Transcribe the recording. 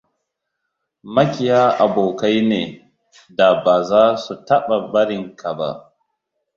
Maƙiya abokai ne da ba za su taɓa barinka ba.